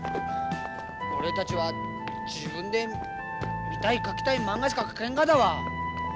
俺たちは自分で見たい描きたいまんがしか描けんがだわ。